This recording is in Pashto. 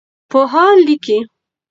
پوهان لیکي.